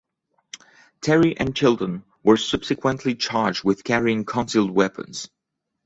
Terry and Chilton were subsequently charged with carrying concealed weapons.